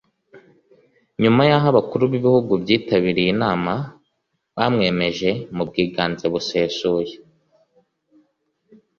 nyuma yaho abakuru b’ibihugu byitabiriye iyi nama bamwemeje mu bwiganze busesuye